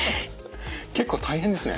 結構大変ですね。